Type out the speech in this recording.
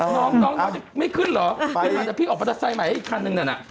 น้องไม่ขึ้นเหรออยากจะพลิกออกมอเตอร์ไซส์ใหม่ให้อีกครั้งหนึ่งนั่น